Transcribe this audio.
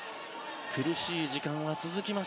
苦しい時間は続きます